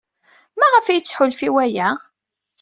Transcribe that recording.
Maɣef ay yettḥulfu i waya?